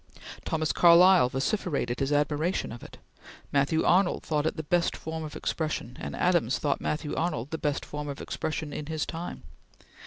Thomas Carlyle vociferated his admiration of it. Matthew Arnold thought it the best form of expression; and Adams thought Matthew Arnold the best form of expression in his time.